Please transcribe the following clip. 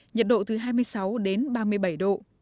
nhiệt độ từ hai mươi sáu đến ba mươi bảy độ